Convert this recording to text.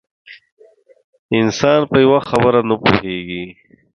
انسان په یوه خبره نه پوهېږي.